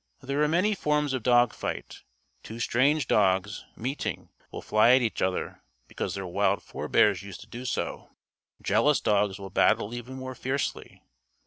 There are many forms of dog fight. Two strange dogs, meeting, will fly at each other because their wild forbears used to do so. Jealous dogs will battle even more fiercely.